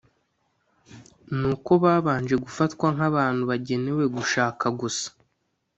, ni uko babanje gufatwa nk’abantu bagenewe gushaka gusa